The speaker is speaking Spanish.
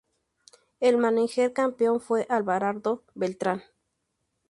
El mánager campeón fue Abelardo Beltrán.